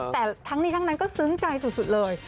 แต่ทั้งนี้ทั้งนั้นก็ซึ้งใจสุดเลย